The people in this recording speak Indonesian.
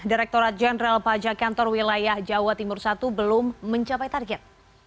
direkturat jenderal pajak kantor wilayah jawa timur i belum mencapai target